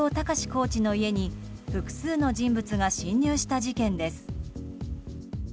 コーチの家に複数の人物が侵入した事件です。